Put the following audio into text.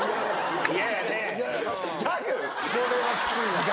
これはきついわ。